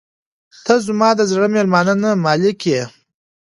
• ته زما د زړه میلمانه نه، مالک یې.